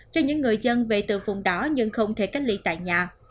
cho những người dân về từ vùng đó nhưng không thể cách ly tại nhà